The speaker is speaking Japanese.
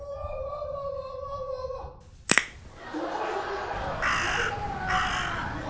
どこ行くんだよ。